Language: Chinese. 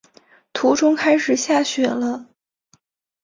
途中开始下雪了